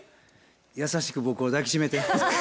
優しく僕を抱き締めて。